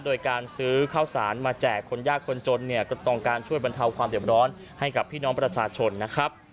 โดยการซื้อข้าวสารมาแจกคนยากคนจนเนี่ยก็ต้องการช่วยบรรเทาความเด็บร้อนให้กับพี่น้องประชาชนนะครับ